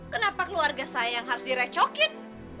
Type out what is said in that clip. kenapa keluarga saya yang harus direcokin